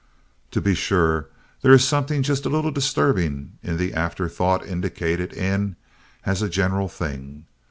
To be sure, there is something just a little disturbing in the afterthought indicated in "as a general thing."